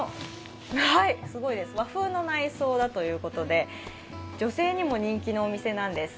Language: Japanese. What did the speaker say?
和風の内装だということで女性にも人気のお店だということです。